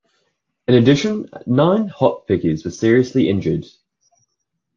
In addition, nine hop-pickers were seriously injured.